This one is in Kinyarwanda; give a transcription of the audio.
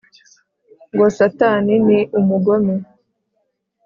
Ngo satani ni umugome